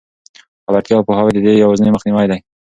خبرتیا او پوهاوی د دې یوازینۍ مخنیوی دی.